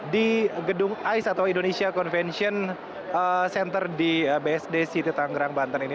di gedung ais atau indonesia convention center di best day city tangerang banten ini